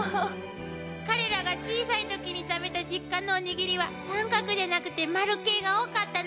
彼らが小さい時に食べた実家のおにぎりは三角でなくて丸系が多かったの。